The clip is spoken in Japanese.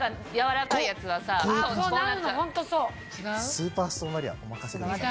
スーパーストーンバリアお任せください。